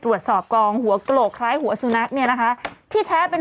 ตรวจสอบกองหัวโกรกคล้ายหัวสุนัขเนี่ยนะคะที่แท้เป็น